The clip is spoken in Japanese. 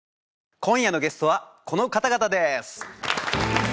今夜のゲストはこの方々です。